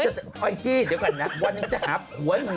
โอ้อย่างจี้หยุดก่อนนะวันนึงมันจะหับหัวมึง